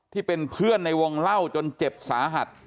ที่เป็นเพื่อนในวงเล่าจนเจ็บสาหัส